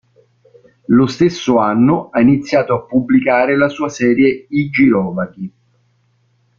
Lo stesso anno ha iniziato a pubblicare la sua serie "I girovaghi".